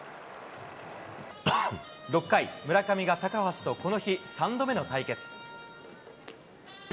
６回、村上が高橋とこの日、３度目の対決。